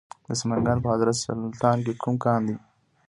د سمنګان په حضرت سلطان کې کوم کان دی؟